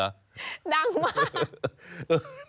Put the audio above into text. ดังมาก